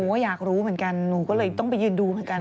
ก็อยากรู้เหมือนกันหนูก็เลยต้องไปยืนดูเหมือนกัน